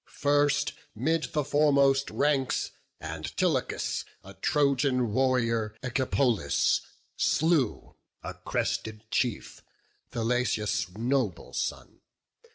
First 'mid the foremost ranks Antilochus A Trojan warrior, Echepolus, slew, A crested chief, Thalesius' noble son.